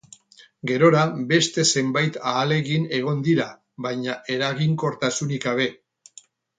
Gerora, beste zenbait ahalegin egon dira, baina eraginkortasunik gabe.